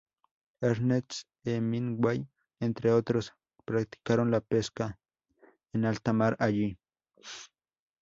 Ernest Hemingway, entre otros, practicaron la pesca en alta mar allí